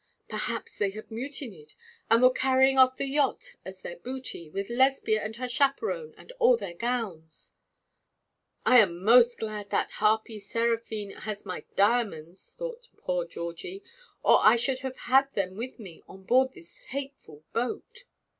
Perhaps they had mutinied, and were carrying off the yacht as their booty, with Lesbia and her chaperon, and all their gowns. 'I am almost glad that harpy Seraphine has my diamonds,' thought poor Georgie, 'or I should have had them with me on board this hateful boat.'